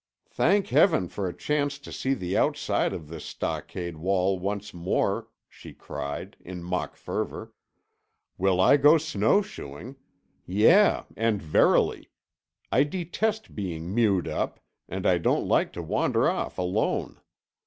"Thank Heaven for a chance to see the outside of this stockade wall once more," she cried, in mock fervor. "Will I go snowshoeing? Yea, and verily. I detest being mewed up, and I don't like to wander off alone.